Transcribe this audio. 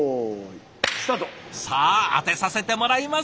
さあ当てさせてもらいますよ！